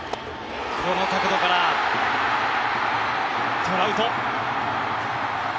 この角度からトラウト。